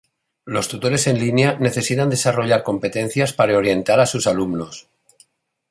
Los tutores en línea necesitan desarrollar competencias para orientar a sus alumnos.